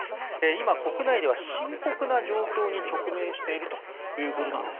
今、国内では深刻な状況に直面しているということなんです。